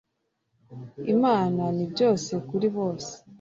Imana ni byose kuri bose .